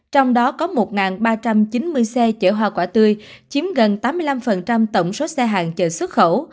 trong đó có một ba trăm chín mươi xe chở hoa quả tươi chiếm gần tám mươi năm tổng số xe hàng chở xuất khẩu